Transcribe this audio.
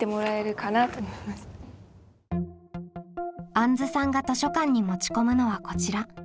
あんずさんが図書館に持ち込むのはこちら。